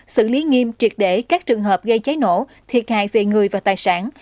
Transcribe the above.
xử lý nghiêm triệt để các trường hợp gây cháy nổ thiệt hại về người và tài sản